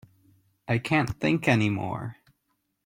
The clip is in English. I can't think any more.